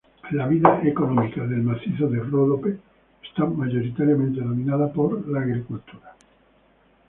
La vida económica del macizo de Ródope está mayoritariamente dominada por la agricultura.